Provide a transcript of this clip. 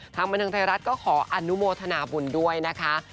บรรทังไทยรัฐก็ขออนุโมทนาบุญด้วยนะคะ